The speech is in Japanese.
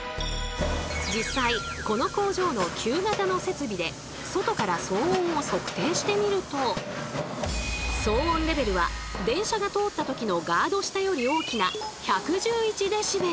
実際この工場の旧型の設備で外から騒音を測定してみると騒音レベルは電車が通ったときのガード下より大きな１１１ｄＢ。